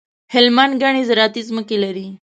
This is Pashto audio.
هلمند ګڼي زراعتي ځمکي لري.